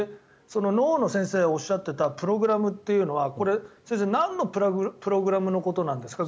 脳の先生がおっしゃっていたプログラムというのはこれ、先生何のプログラムのことなんですか